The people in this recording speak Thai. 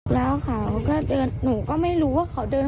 แล้วเขาก็เดินหนูก็ไม่รู้ว่าเขาเดิน